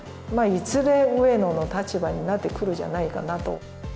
いずれ上野の立場になってくるんじゃないかなと。